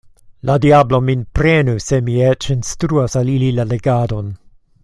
La diablo min prenu se mi eĉ instruas al ili la legadon!